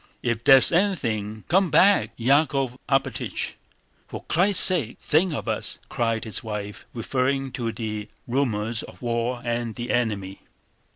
"If there is anything... come back, Yákov Alpátych! For Christ's sake think of us!" cried his wife, referring to the rumors of war and the enemy.